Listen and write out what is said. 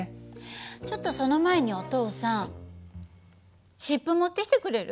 ちょっとその前にお父さん湿布持ってきてくれる？